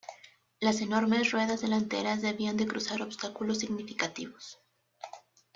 Las enormes ruedas delanteras debían de cruzar obstáculos significativos.